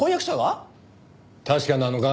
確かなのか？